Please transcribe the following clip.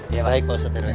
ya baik pak ustadz